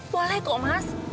boleh kok mas